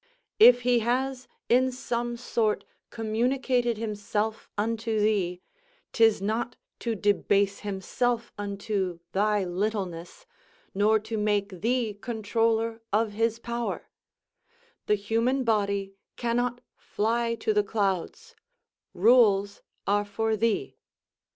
If he has in some sort communicated himself unto thee, 'tis not to debase himself unto thy littleness, nor to make thee comptroller of his power; the human body cannot fly to the clouds; rules are for thee.